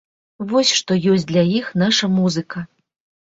Вось што ёсць для іх наша музыка.